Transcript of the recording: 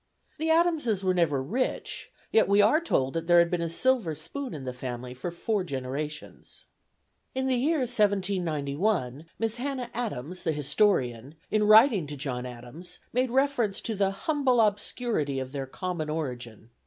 The Adamses were never rich, yet we are told that there had been a silver spoon in the family for four generations. "In the year 1791, Miss Hannah Adams, the historian, in writing to John Adams, made reference to the 'humble obscurity' of their common origin.